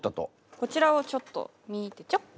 こちらをちょっと見てちょ。